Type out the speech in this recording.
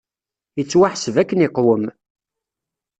Yettwaḥseb akken iqwem!